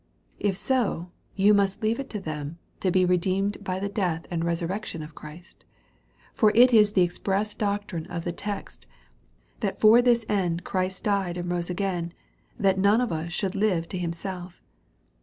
if so^ you must leave it to them, to bo redeemed by the death and resurrection of Christ. For it is the express doctrine of the text, that for this end Christ died and rose again, that none of us should live to himself.